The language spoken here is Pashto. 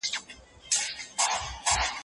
ایا ځايي کروندګر شین ممیز اخلي؟